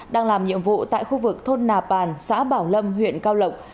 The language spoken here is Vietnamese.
đang làm nhiệm vụ tại khu vực thôn nà bàn xã bảo lâm huyện cao lộng